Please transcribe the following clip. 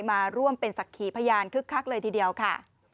มาร่วมเป็นศักดิ์ขีพยานคึกคักเลยทีเดียวค่ะ